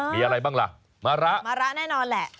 มีอะไรบ้างล่ะมะระมะระแน่นอนแหละ